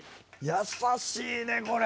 やさしいねこれ！